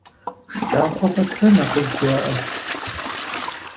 ШкӀахъуэ пэтрэ нэхъыжь яӀэщ.